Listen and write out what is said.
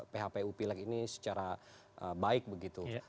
phpu pileg ini secara baik begitu